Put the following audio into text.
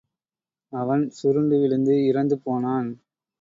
அவன் சுருண்டு விழுந்து இறந்து போனான்.